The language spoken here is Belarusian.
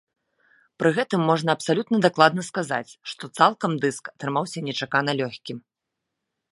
Пры гэтым можна абсалютна дакладна сказаць, што цалкам дыск атрымаўся нечакана лёгкім.